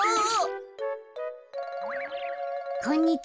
こんにちは。